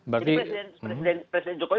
jadi presiden jokowi